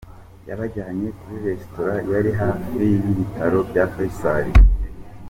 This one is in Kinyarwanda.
Yabajyanye kuri resitora yari hafi aho y’Ibitaro bya Faisal.